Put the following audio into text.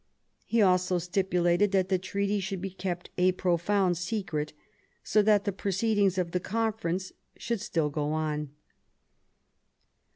He also stipulated that the treaty should be kept a profound secret^ so that the proceedings of the conference should still go on.